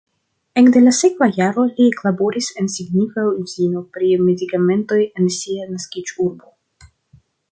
Ekde la sekva jaro li eklaboris en signifa uzino pri medikamentoj en sia naskiĝurbo.